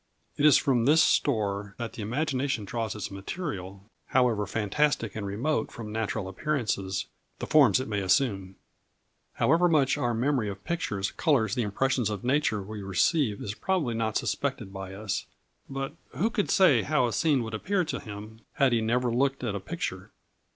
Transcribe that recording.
It is from this store that the imagination draws its material, however fantastic and remote from natural appearances the forms it may assume. How much our memory of pictures colours the impressions of nature we receive is probably not suspected by us, but who could say how a scene would appear to him, had he never looked at a picture?